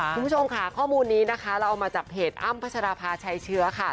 คุณผู้ชมค่ะข้อมูลนี้นะคะเราเอามาจากเพจอ้ำพัชราภาชัยเชื้อค่ะ